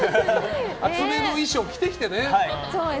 厚めの衣装、着てきてね。